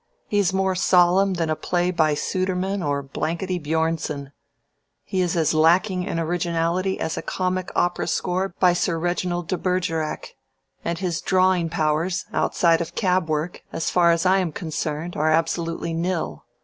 He's more solemn than a play by Sudermann or Blanketty Bjornsen; he is as lacking in originality as a comic opera score by Sir Reginald de Bergerac, and his drawing powers, outside of cab work, as far as I am concerned, are absolutely nil.